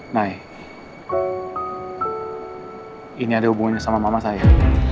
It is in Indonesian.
nah ini ada hubungannya sama mama saya